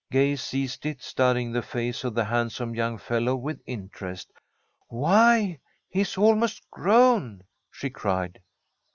Gay seized it, studying the face of the handsome young fellow with interest. "Why, he's almost grown!" she cried.